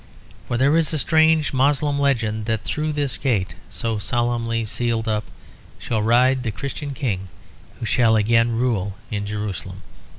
For there is a strange Moslem legend that through this gate, so solemnly sealed up, shall ride the Christian King who shall again rule in Jerusalem.